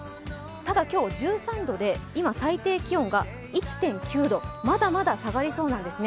ただ、今日は１３度で今、最低気温が１．９度、まだまだ下がりそうなんですね。